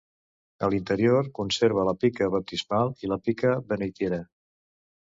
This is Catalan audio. A l'interior conserva la pica baptismal i la pica beneitera.